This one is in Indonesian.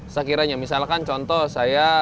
sekiranya misalkan contoh saya